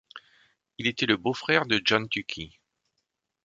Il était le beau-frère de John Tukey.